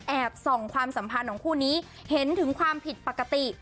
ส่องความสัมพันธ์ของคู่นี้เห็นถึงความผิดปกติ